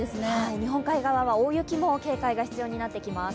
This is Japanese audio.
日本海側は大雪も警戒が必要になってきます。